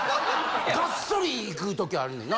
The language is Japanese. ごっそりいく時あるねんな。